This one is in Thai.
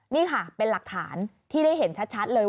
นี่ค่ะเป็นหลักฐานที่ได้เห็นชัดเลย